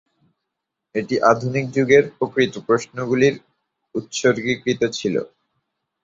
এটি আধুনিক যুগের প্রকৃত প্রশ্নগুলির উৎসর্গীকৃত ছিল।